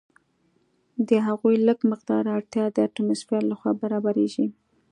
د هغوی لږ مقدار اړتیا د اټموسفیر لخوا برابریږي.